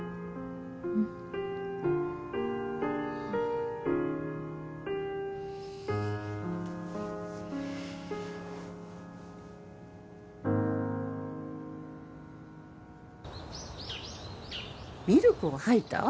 うんミルクを吐いた？